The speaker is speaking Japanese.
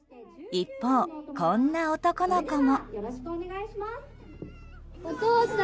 一方、こんな男の子も。